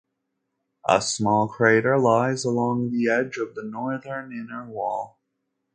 A small crater lies along the edge of the northern inner wall.